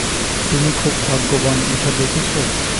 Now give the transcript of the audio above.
তুমি খুব ভাগ্যবান, এটা দেখছো?